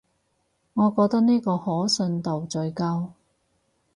我覺得呢個可信度最高